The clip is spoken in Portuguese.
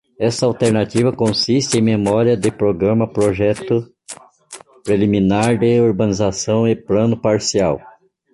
Esta alternativa consiste em memória de programa, projeto preliminar de urbanização e plano parcial.